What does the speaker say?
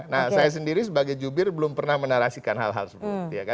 nah saya sendiri sebagai jubir belum pernah menarasikan hal hal seperti itu